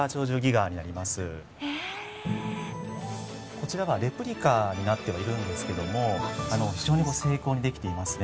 こちらはレプリカになってはいるんですけども非常に精巧に出来ていますね。